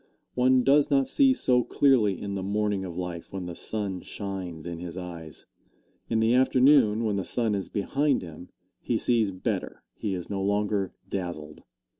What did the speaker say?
One does not see so clearly in the morning of life when the sun shines in his eyes. In the afternoon, when the sun is behind him, he sees better he is no longer dazzled.